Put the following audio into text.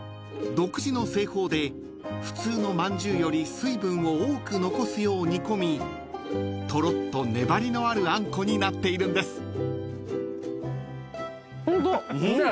独自の製法で普通のまんじゅうより水分を多く残すよう煮込みとろっと粘りのあるあんこになっているんです］